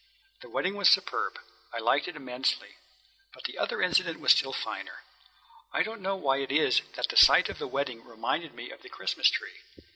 The wedding was superb. I liked it immensely. But the other incident was still finer. I don't know why it is that the sight of the wedding reminded me of the Christmas tree.